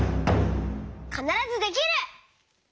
「かならずできる」！